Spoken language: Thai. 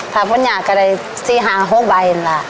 จ๊ะเพ้อร์ดนี่อ่ะซี่หาง๖ใบละ